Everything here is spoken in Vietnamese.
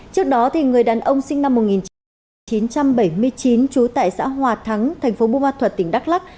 trước đó người đàn ông sinh năm một nghìn chín trăm bảy mươi chín trú tại xã hòa thắng tp bumat thuật tỉnh đắk lắc